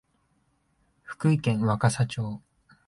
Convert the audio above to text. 福井県若狭町